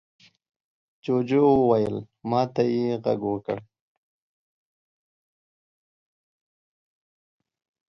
جوجو وويل: ما ته يې غږ وکړ.